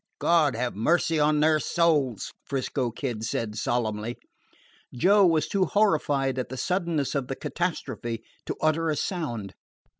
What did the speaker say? "God have mercy on their souls!" 'Frisco Kid said solemnly. Joe was too horrified at the suddenness of the catastrophe to utter a sound.